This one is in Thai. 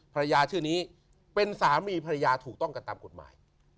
ภรรยาชื่อนี้เป็นสามีภรรยาถูกต้องกันตามกฎหมาย